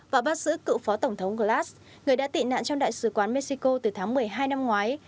và bác sứ cựu phó tổng thống glass người đã tị nạn trong đại sứ quán mexico từ tháng một mươi hai năm ngoái